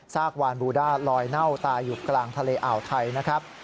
กวานบูด้าลอยเน่าตายอยู่กลางทะเลอ่าวไทยนะครับ